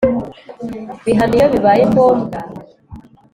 bihano iyo bibaye ngombwa